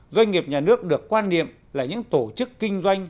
doanh nghiệp nhà nước được quan niệm là những tổ chức kinh doanh